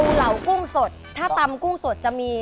ฮู้นี่